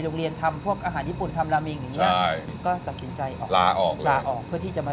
โรงเรียนทำพวกอาหารญี่ปุ่นทำแบบนี้ตัดสินใจลาออกลาออกเพื่อที่จะมา